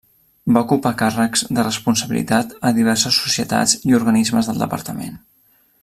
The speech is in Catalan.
Va ocupar càrrecs de responsabilitat a diverses societats i organismes del Departament.